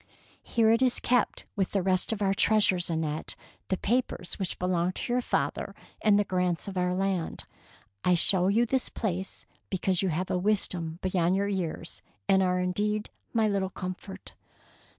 " Here it is kept with the rest of our treasures, Annette, the papers which belong to your father and the grants of our land. I show this place to you because you have a wisdom beyond your years, and are indeed my little comfort.